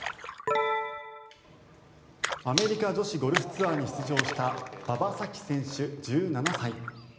アメリカ女子ゴルフツアーに出場した馬場咲希選手１７歳。